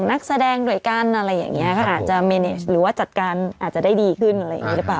นักแสดงด้วยกันอะไรอย่างนี้ก็อาจจะเมเนสหรือว่าจัดการอาจจะได้ดีขึ้นอะไรอย่างนี้หรือเปล่า